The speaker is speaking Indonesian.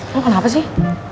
lo kenapa sih